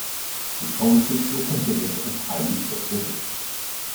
His policies were considered as highly pro-British.